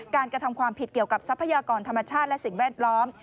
กระทำความผิดเกี่ยวกับทรัพยากรธรรมชาติและสิ่งแวดล้อม